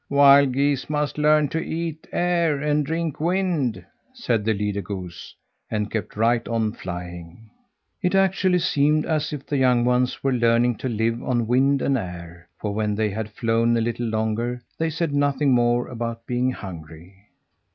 "Wild geese must learn to eat air and drink wind," said the leader goose, and kept right on flying. It actually seemed as if the young ones were learning to live on wind and air, for when they had flown a little longer, they said nothing more about being hungry.